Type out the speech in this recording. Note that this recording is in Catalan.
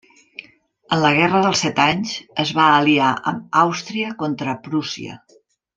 En la guerra dels set anys, es va aliar amb Àustria contra Prússia.